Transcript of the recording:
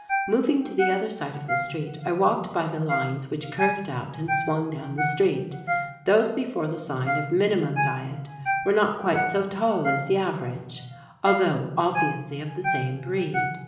Moving to the other side of the street I walked by the lines which curved out and swung down the street. Those before the sign of "Minimum Diet" were not quite so tall as the average, although obviously of the same breed.